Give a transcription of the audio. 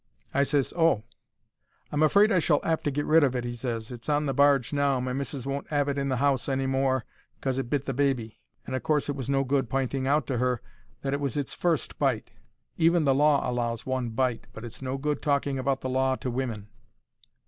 I ses "Oh!" "I'm afraid I shall 'ave to get rid of it," he ses. "It's on the barge now. My missis won't 'ave it in the 'ouse any more cos it bit the baby. And o' course it was no good p'inting out to 'er that it was its first bite. Even the law allows one bite, but it's no good talking about the law to wimmen."